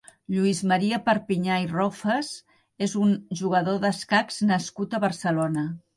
Lluís Maria Perpinyà i Rofes és un jugador d'escacs nascut a Barcelona.